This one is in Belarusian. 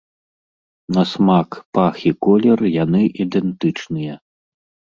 На смак, пах і колер яны ідэнтычныя.